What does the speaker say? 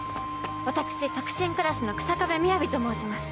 私特進クラスの日下部みやびと申します。